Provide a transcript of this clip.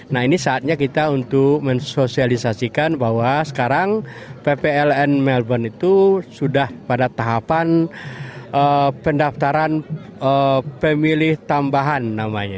nah ini saatnya kita untuk mensosialisasikan bahwa sekarang ppln melbourne itu sudah pada tahapan pendaftaran pemilih tambahan namanya